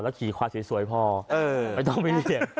แล้วขี่ควายสวยพอไม่ต้องไปเลี้ยง